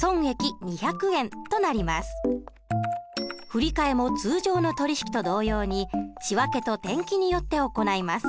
振り替えも通常の取引と同様に仕訳と転記によって行います。